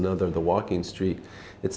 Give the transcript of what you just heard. nó hơn là điều đó